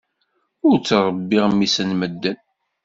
Ur ttrebbiɣ mmi-s n medden.